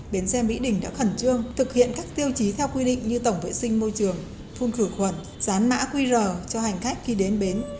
bến xe mỹ đình đã khẩn trương thực hiện các tiêu chí theo quy định như tổng vệ sinh môi trường phun khử khuẩn gián mã qr cho hành khách khi đến bến